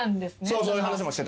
そういう話もしてたから。